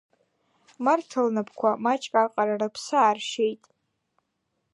Марҭа лнапқәа маҷк аҟара рыԥсы ааршьеит.